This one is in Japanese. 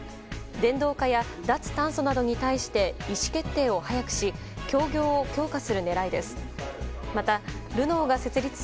電動化や脱炭素などに対して意思決定を早くし協業を強化する狙いです。